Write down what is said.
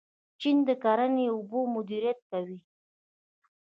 چین د کرنې لپاره اوبه مدیریت کوي.